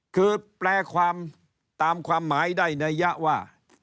คือแปลความตามความหมายได้นัยยะว่า